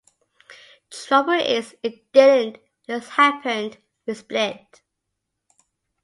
Trouble is, it didn't, things happened, we split.